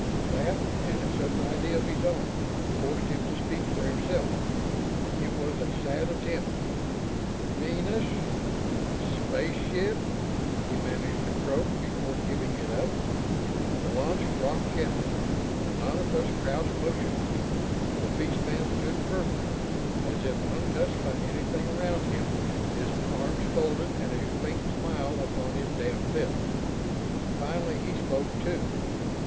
That, and a sudden idea of his own, forced him to speak for himself. It was a sad attempt. "Venus.... Spaceship...." he managed to croak, before giving it up. The launch rocked gently. The nonapus crouched motionless; the fishman stood firmly, as if untouched by anything around him, his arms folded and a faint smile upon his damp lips. Finally he spoke too.